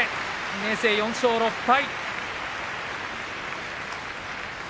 明生、４勝６敗。